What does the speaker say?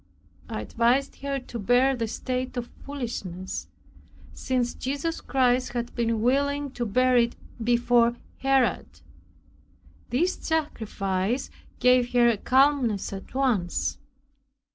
I advised her to bear the state of foolishness, since Jesus Christ had been willing to bear it before Herod. This sacrifice gave her a calmness at once.